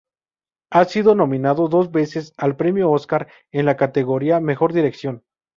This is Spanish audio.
Ha sido nominado dos veces al premio Oscar en la categoría Mejor dirección.